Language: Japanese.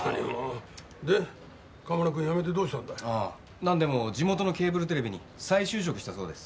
なんでも地元のケーブルテレビに再就職したそうです。